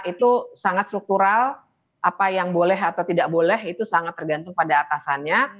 itu sangat struktural apa yang boleh atau tidak boleh itu sangat tergantung pada atasannya